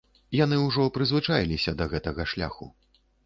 Яны ўжо прызвычаіліся да гэтага шляху.